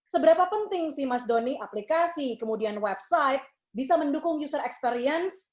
seberapa penting sih mas doni aplikasi kemudian website bisa mendukung user experience